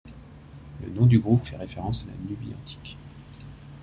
Le nom du groupe fait référence à la Nubie Antique.